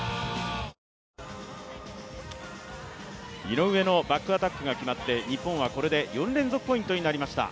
井上のバックアタックが決まって日本はこれで４連続ポイントになりました。